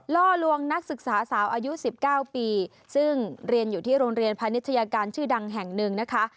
ล่อลวงนักศึกษาสาวอายุ๑๙ปีซึ่งเรียนอยู่ที่โรงเรียนพาณิชยาการชื่อดังแห่งหนึ่งนะคะ